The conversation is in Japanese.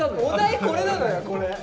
お題これなのよこれ。